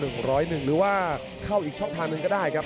หรือว่าเข้าอีกช่องทางหนึ่งก็ได้ครับ